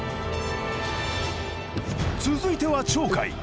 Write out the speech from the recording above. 続いては鳥海。